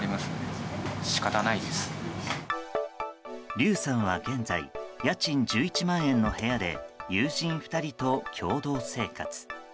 リュウさんは現在家賃１１万円の部屋で友人２人と共同生活。